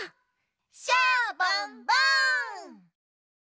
シャボンボン！